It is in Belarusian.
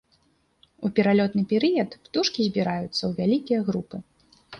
У пералётны перыяд птушкі збіраюцца ў вялікія групы.